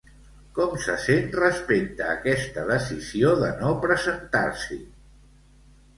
Com se sent respecte a aquesta decisió de no presentar-s'hi?